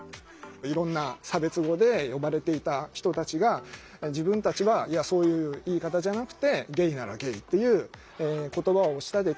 いろんな差別語で呼ばれていた人たちが自分たちはそういう言い方じゃなくてゲイならゲイっていう言葉を仕立てて。